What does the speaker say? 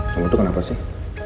kamu tuh kenapa sih